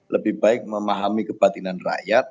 lebih baik memahami kebatinan rakyat